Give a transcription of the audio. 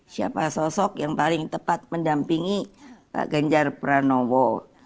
siapa sosok yang paling tepat mendampingi pak ganjar pranowo